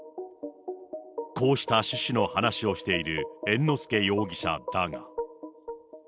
こうした趣旨の話をしている猿之助容疑者だが。